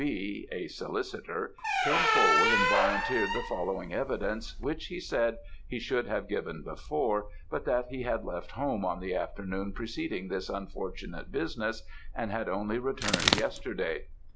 B., a solicitor, came forward and volunteered the following evidence, which, he said, he should have given before, but that he had left home on the afternoon preceding this unfortunate business, and had only returned yesterday.